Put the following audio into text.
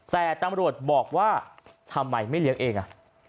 แต่ตำรวจบอกว่าทำไมไม่เลี้ยงเอง